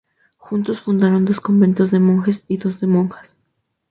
Juntos fundaron dos conventos de monjes y dos de monjas.